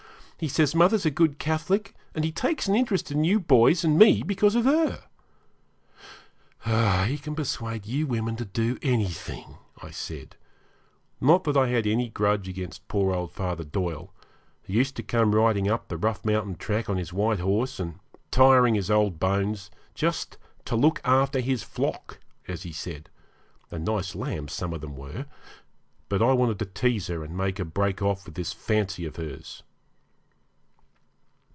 He says mother's a good Catholic, and he takes an interest in you boys and me because of her.' 'He can persuade you women to do anything,' I said, not that I had any grudge against poor old Father Doyle, who used to come riding up the rough mountain track on his white horse, and tiring his old bones, just 'to look after his flock,' as he said and nice lambs some of them were but I wanted to tease her and make her break off with this fancy of hers.